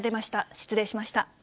失礼しました。